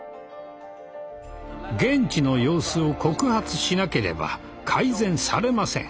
現地の様子を告発しなければ改善されません。